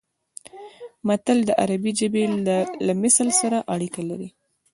متل د عربي ژبې له مثل سره اړیکه لري